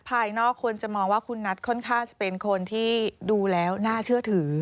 ภายนอกคนจะมองว่าคุณนัทค่อนข้างจะเป็นคนที่ดูแล้วน่าเชื่อถือ